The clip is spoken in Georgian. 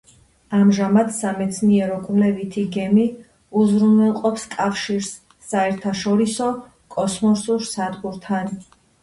ამჟამად სამეცნიერო-კვლევითი გემი უზრუნველყოფს კავშირს საერთაშორისო კოსმოსურ სადგურთან.